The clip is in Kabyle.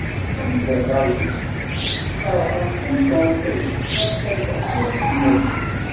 Yuɣal wid iṛṛayin, ferqen-t am tunṭict, wa fkan-as, wa zeglen-t.